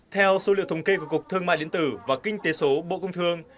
theo số liệu thống kê của cục thương mại điện tử và kinh tế số bộ công thương